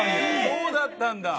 そうだったんだ！